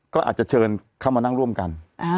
ก็อาจจะเชิญเข้ามานั่งร่วมกัน